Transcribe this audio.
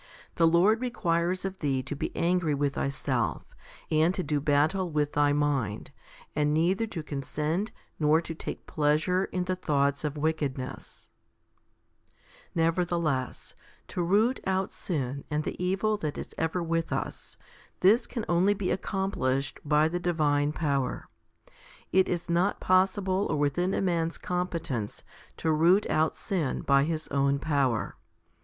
The Lord requires of thee to be angry with thyself, and to do battle with thy mind, and neither to consent nor to take pleasure in the thoughts of wickedness. 4. Nevertheless, to root out sin and the evil that is ever 1 i Cor. xii. 12. 2 Eph. iv. 3. i8 FIFTY SPIRITUAL HOMILIES with us, this can only be accomplished by the divine power. It is not possible or within a man's competence to root out sin by his own power.